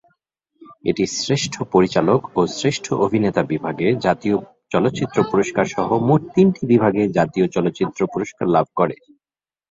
এটি শ্রেষ্ঠ পরিচালক ও শ্রেষ্ঠ অভিনেতা বিভাগে জাতীয় চলচ্চিত্র পুরস্কারসহ মোট তিনটি বিভাগে জাতীয় চলচ্চিত্র পুরস্কার লাভ করে।